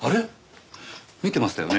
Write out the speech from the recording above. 見てましたよね？